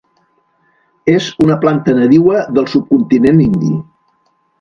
És una planta nadiua del subcontinent indi.